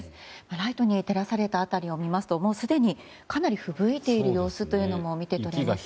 ライトに照らされた辺りを見ますとすでにかなり、ふぶいている様子というのも見て取れますね。